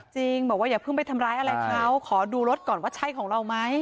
จริงบอกว่าอย่าเพิ่งไปทำร้ายอะไรเขาขอดูรถก่อนว่าใช่ของเราไหม